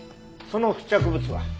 その付着物は？